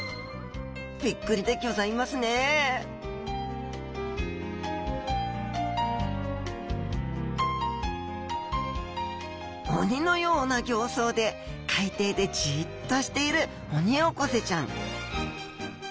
びっくりでギョざいますね鬼のような形相で海底でじっとしているオニオコゼちゃん